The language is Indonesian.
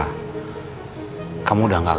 kamu udah gak keharapan kasih lagi